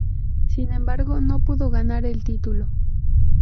Sin embargo, no pudo ganar el título.